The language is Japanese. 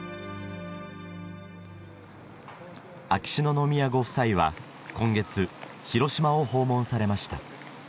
秋篠宮ご夫妻は今月広島を訪問されました